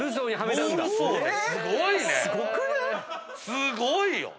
すごいよ！